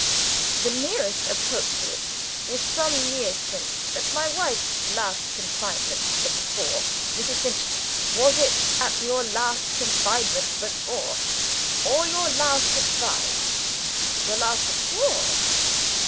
The nearest approach to it was some years since, at my wife's last confinement but four. Mrs. Finch! was it at your last confinement but four? or your last but five? Your last but four?